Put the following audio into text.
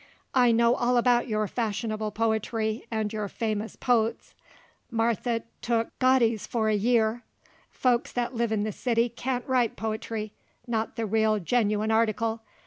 I know all about your fashionable po'try and your famous potes, Martha took Godey's for a year. Folks that live in the city can't write po'try, not the real, genuine article.